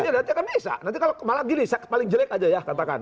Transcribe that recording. ya nanti akan bisa nanti kalau malah gini paling jelek aja ya katakan